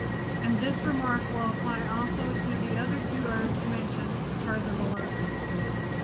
And this remark will apply also to the other two herbs mentioned further below.